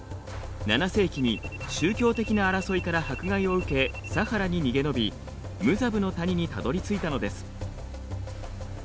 ７世紀に宗教的な争いから迫害を受けサハラに逃げ延びムザブの谷にたどりついたのです。